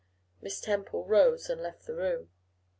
Miss Temple rose and left the room.